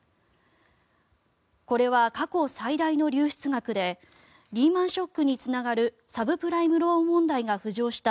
これは過去最大の流出額でリーマン・ショックにつながるサブプライムローン問題が浮上した